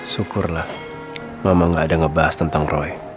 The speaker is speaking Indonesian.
syukurlah mama gak ada ngebahas tentang roy